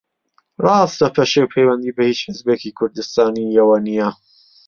ڕاستە پەشێو پەیوەندی بە ھیچ حیزبێکی کوردستانییەوە نییە